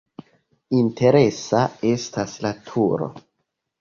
Interesa estas la turo.